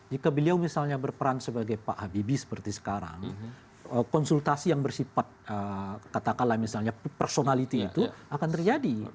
jika beliau misalnya berperan sebagai pak habibie seperti sekarang konsultasi yang bersifat katakanlah misalnya personality itu akan terjadi